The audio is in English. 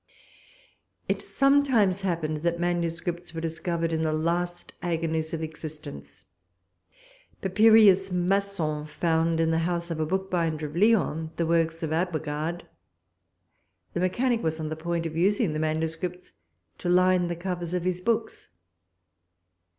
It sometimes happened that manuscripts were discovered in the last agonies of existence. Papirius Masson found, in the house of a bookbinder of Lyons, the works of Agobard; the mechanic was on the point of using the manuscripts to line the covers of his books.